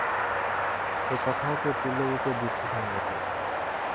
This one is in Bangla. এ কথাও তো তুল্যরূপে যুক্তিসঙ্গত।